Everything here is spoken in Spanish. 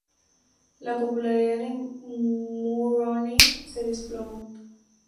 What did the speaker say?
La popularidad de Mulroney se desplomó.